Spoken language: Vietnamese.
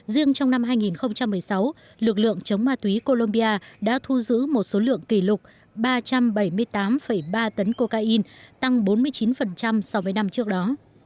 riêng trong năm hai nghìn một mươi sáu lực lượng chống ma túy colombia đã thu giữ một số lượng kỷ lục ba trăm bảy mươi tám ba tấn cocaine tăng bốn mươi chín so với năm trước đó